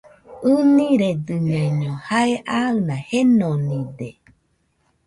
ɨniredɨñaiño jae aɨna jenonide.